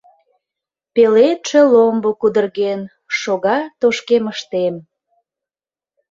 Пеледше ломбо кудырген, Шога тошкемыштем.